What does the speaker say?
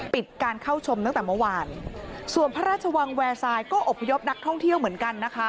ปิดการเข้าชมตั้งแต่เมื่อวานส่วนพระราชวังแวร์ทรายก็อบพยพนักท่องเที่ยวเหมือนกันนะคะ